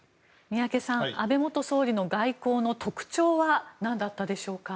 宮家さん安倍元総理の外交の特徴はなんだったんでしょうか。